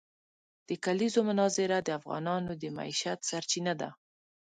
د کلیزو منظره د افغانانو د معیشت سرچینه ده.